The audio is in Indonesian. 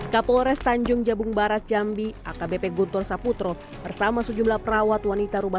kapolres tanjung jabung barat jambi akbp guntur saputro bersama sejumlah perawat wanita rumah